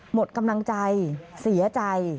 หมดกำลังใจเสียใจ